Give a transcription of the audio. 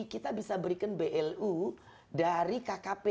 kita bisa berikan blu dari kkp